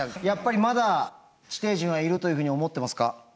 やっぱりまだ地底人はいるというふうに思ってますか？